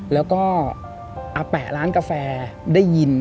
แล้วก็อาแปะร้านกาแฟได้ยิน